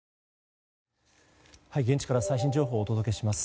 現地から最新情報をお届けします。